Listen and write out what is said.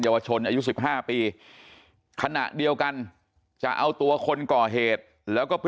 วชนอายุ๑๕ปีขณะเดียวกันจะเอาตัวคนก่อเหตุแล้วก็ไป